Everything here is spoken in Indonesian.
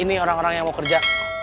ini orang orang yang mau kerja